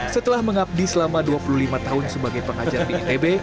setelah mengabdi selama dua puluh lima tahun sebagai pengajar di itb